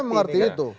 saya mengerti itu